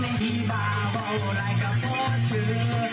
ในที่บ้าบ่าโหลลายกับพ่อเธอ